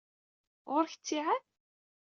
Ɣur-k ttiɛad?